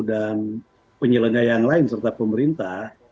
dan penyelenggara yang lain serta pemerintah